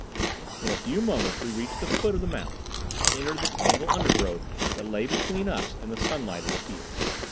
In a few moments we reached the foot of the mound and entered the tangled undergrowth that lay between us and the sunlight of the field.